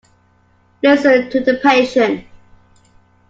Listen to the patient.